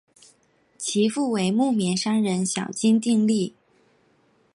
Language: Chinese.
其父为木棉商人小津定利。